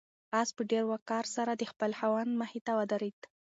آس په ډېر وقار سره د خپل خاوند مخې ته ودرېد.